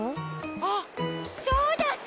あっそうだった！